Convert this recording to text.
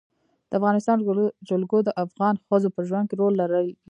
د افغانستان جلکو د افغان ښځو په ژوند کې رول لري.